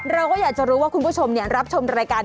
เราก็อยากจะรู้ว่าคุณผู้ชมรับชมรายการ